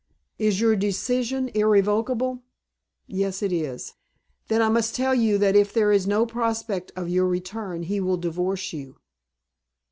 "Is your decision irrevocable?" "Yes, it is." "Then I must tell you that if there is no prospect of your return he will divorce you."